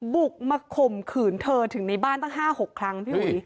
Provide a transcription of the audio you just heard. บุกมาข่มขืนเธอถึงในบ้านตั้ง๕๖ครั้ง